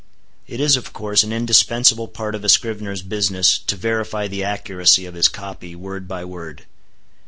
It is, of course, an indispensable part of a scrivener's business to verify the accuracy of his copy, word by word.